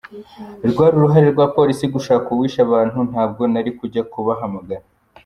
Rwari uruhare rwa polisi gushaka uwishe abantu ntabwo nari kujya kubahamagara.